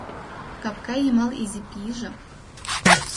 Капка йымал изи пийже.